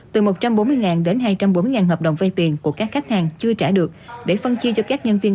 từ một trăm bốn mươi đến hai trăm bốn mươi hợp đồng vay tiền của các khách hàng chưa trả được để phân chia cho các nhân viên